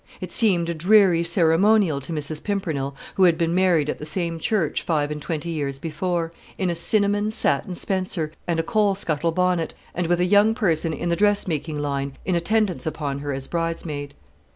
It seemed a dreary ceremonial to Mrs. Pimpernel, who had been married at the same church five and twenty years before, in a cinnamon satin spencer, and a coal scuttle bonnet, and with a young person in the dressmaking line in attendance upon her as bridesmaid.